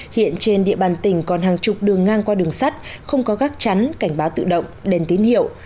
hiện trên địa bàn tỉnh còn hàng chục đường ngang qua đường sắt không có gác chắn cảnh báo tự động đèn tín hiệu